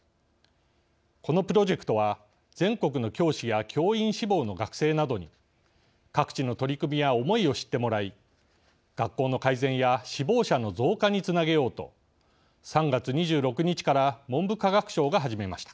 このプロジェクトは全国の教師や教員志望の学生などに各地の取り組みや思いを知ってもらい学校の改善や志望者の増加につなげようと３月２６日から文部科学省が始めました。